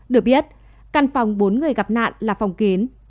được biết căn phòng bốn người gặp nạn là phòng kín